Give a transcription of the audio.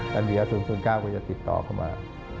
ดันเบียร์๐๐๙ก็จะติดต่อเข้ามา